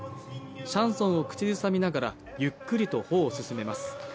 シャンソンを口ずさみながらゆっくりと歩を進めます。